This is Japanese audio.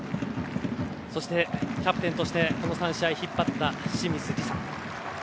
そして、キャプテンとして３試合を引っ張った清水梨紗。